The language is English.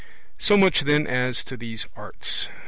So much, then, as to these arts.